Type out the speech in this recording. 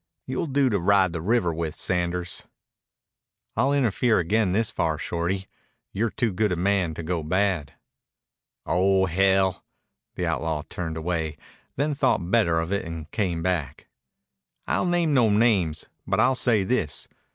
You'll do to ride the river with, Sanders." "I'll interfere again this far, Shorty. You're too good a man to go bad." "Oh, hell!" The outlaw turned away; then thought better of it and came back. "I'll name no names, but I'll say this.